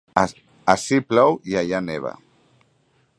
Ací plou i allà neva.